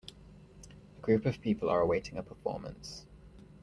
A group of people are awaiting a performance.